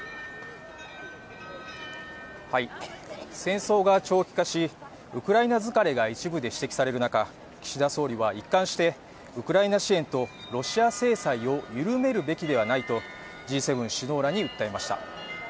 戦争が長期化し、ウクライナ疲れが一部で指摘される中、岸田総理は一貫してウクライナ支援とロシア制裁を緩めるべきではないとＧ７首脳らに訴えました。